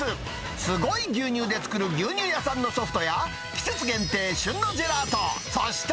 すごい牛乳で作る牛乳屋さんのソフトや、季節限定、旬のジェラート、そして。